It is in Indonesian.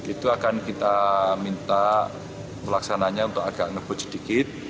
itu akan kita minta pelaksananya untuk agak ngebut sedikit